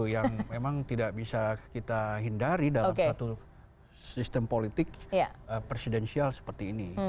yang memang tidak bisa kita hindari dalam satu sistem politik presidensial seperti ini